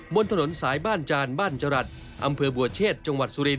บนถนนสายบ้านจานบ้านจรัสอำเภอบัวเชษจังหวัดสุรินท